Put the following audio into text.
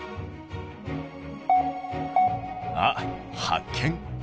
あっ発見。